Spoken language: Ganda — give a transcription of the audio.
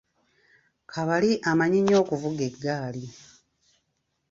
Kabali amanyi nnyo okuvuga eggaali